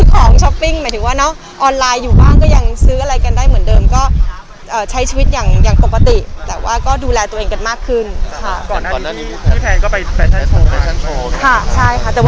เพราะฉะนั้นออนไลน์อยู่บ้างก็ยังซื้ออะไรกันได้เหมือนเดิมก็เอ่อใช้ชีวิตอย่างอย่างปกติแต่ว่าก็ดูแลตัวเองกันมากขึ้นค่ะ